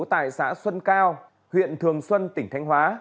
tại xã xuân cao huyện thường xuân tỉnh thanh hóa